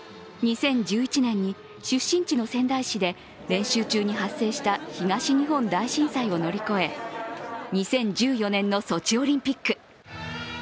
２０１１年に出身地の仙台市で練習中に発生した東日本大震災を乗り越え、２０１４年のソチオリンピック。